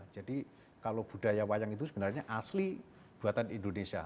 jadi kalau budaya wayang itu sebenarnya asli buatan indonesia